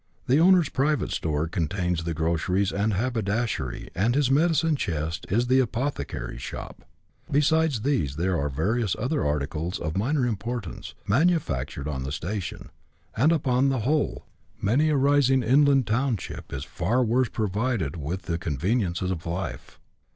The owner's private store contains the groceries and haberdashery, and his medicine chest is the apothecary's shop. Besides these there are various other articles, of minor importance, manu factured on the station, and, upon the whole, many a rising inland township is far worse provided with the conveniences of life.